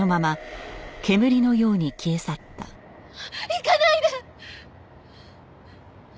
行かないで！